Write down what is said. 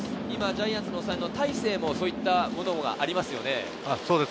ジャイアンツの大勢もそういったものがありますよね。